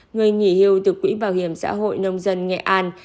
người nghỉ hưu từ quỹ bảo hiểm xã hội nông dân nghệ an